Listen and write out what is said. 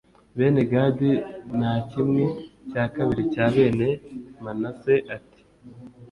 bene gadi, na kimwe cya kabiri cya bene manase, ati